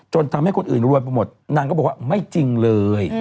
จนทำให้คนอื่นคิดว่ามัยจริงเลย